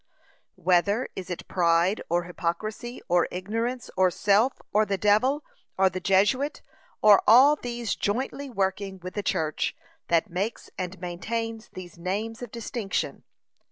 Whether is it pride, or hypocrisy, or ignorance, or self, or the devil, or the jesuit, or all these jointly working with the church, that makes and maintains these names of distinction?